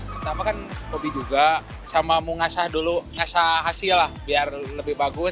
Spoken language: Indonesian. sama sama kan tapi juga sama menghasilkan dulu menghasilkan hasil lah biar lebih bagus